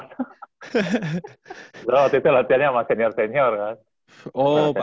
lalu waktu itu latihannya sama senior senior kak